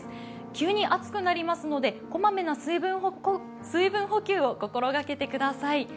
急に暑くなりますので、小まめな水分補給を心掛けてください。